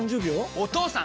お義父さん！